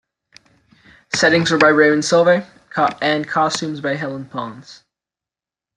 Settings were by Raymond Sovey, and costumes by Helene Pons.